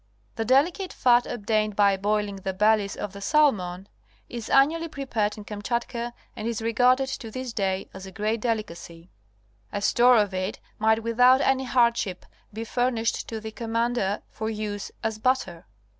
The delicate fat obtained by boiling the bellies of the salmon, is annually prepared in Kamchatka and is regarded to this day as a great delicacy (cf. Voyage of the Marchesa, 2d edition, p. 135.) A store of it might without any hardship be furnished to the comman der for use as butter.